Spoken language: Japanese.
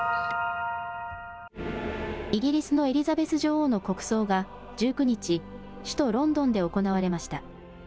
イギリスのエリザベス女王の国葬が１９日、首都ロンドンで行われました。